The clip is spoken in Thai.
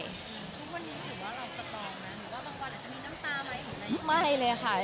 ทุกคนที่รู้ถึงว่าเราสปอร์มนะหรือว่าบางวันอาจจะมีน้ำตามาอีกไหม